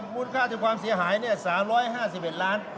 มูลค่าถึงความเสียหาย๓๕๑ล้าน